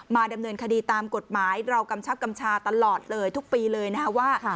ดำเนินคดีตามกฎหมายเรากำชับกำชาตลอดเลยทุกปีเลยนะคะว่า